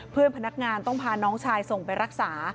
เพื่อนพนักงานต้องพาน้องชายส่งไปรักษา